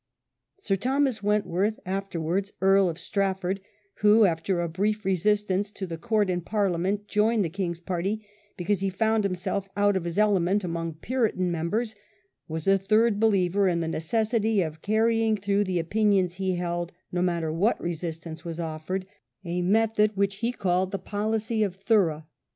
Sir Thomas Wentworth, afterwards Earl of Strafford, who, after a brief resistance to the court in Parliament, joined the king's party because he found himself out of his element among Puritan members, was a third believer in the necessity of carrying through the opinions he held, no matter w^hat resistance was offered, a method which he called the policy of "Thorough".